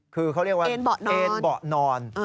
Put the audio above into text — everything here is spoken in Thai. คือเขาเรียกว่าเอ็นเบาะนอน